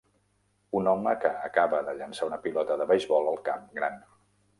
Un home que acaba de llançar un pilota de beisbol al camp gran.